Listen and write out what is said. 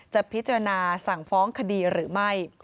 จะพิจารณาสั่งฟ้องคดีหรือไม่